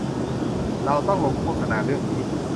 เราต้องลงโฆษณาเรื่องนี้